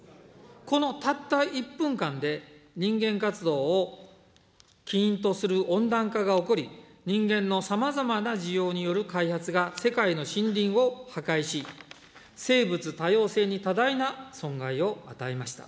このたった１分間で、人間活動を起因とする温暖化が起こり、人間のさまざまな需要による開発が世界の森林を破壊し、生物多様性に多大な損害を与えました。